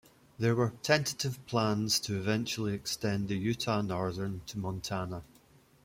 There were tentative plans to eventually extend the Utah Northern to Montana.